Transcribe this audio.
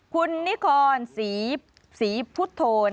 คุณนิคอนศรีพุทธโธน